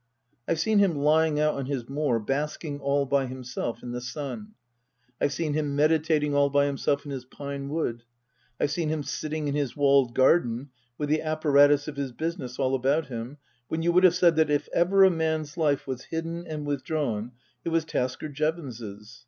I've seen him lying out on his moor basking all by himself in the sun ; I've seen him meditating all by himself in his pine wood ; I've seen him sitting in his walled garden, with the apparatus of his business all about him, when you would have said that if ever a man's life was hidden and with drawn it was Tasker Jevons's.